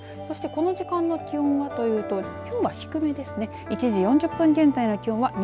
そしてこの時間の気温はというときょうは、低めですね。